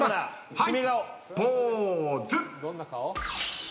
はいポーズ。